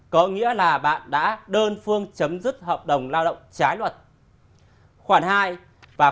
có nghĩa là bạn đã đơn phương chấm dứt hợp đồng lao động theo đúng quy định của pháp luật